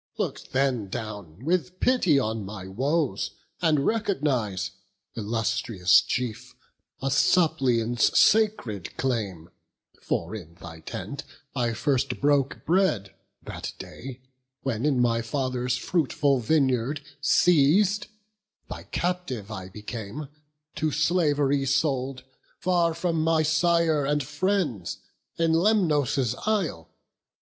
look then down With pity on my woes; and recognize, Illustrious chief, a suppliant's sacred claim: For in thy tent I first broke bread, that day, When, in my father's fruitful vineyard seiz'd, Thy captive I became, to slav'ry sold, Far from my sire and friends, in Lemnos' isle.